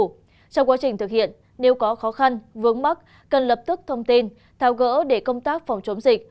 trong quá trình thực hiện nếu có khó khăn vướng mắt cần lập tức thông tin thao gỡ để công tác phòng chống dịch